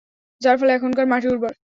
যার ফলে এখানকার মাটি উর্বর।